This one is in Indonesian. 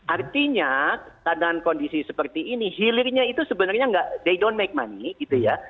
artinya keadaan kondisi seperti ini hilirnya itu sebenarnya they don't make money gitu ya